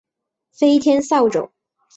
飞天扫帚。